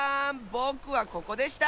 ぼくはここでした。